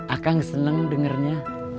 akang seneng dengernya